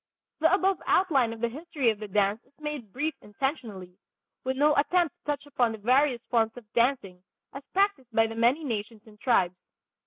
The above outline of the history of the dance is made brief intentionally, with no attempt to touch upon the various forms of dancing as practiced by the many nations and tribes.